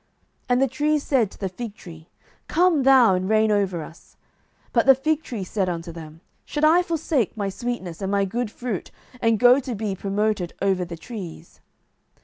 07:009:010 And the trees said to the fig tree, Come thou, and reign over us. 07:009:011 But the fig tree said unto them, Should I forsake my sweetness, and my good fruit, and go to be promoted over the trees?